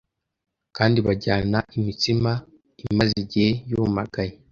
kandi bajyana imitsima imaze igihe yumagaye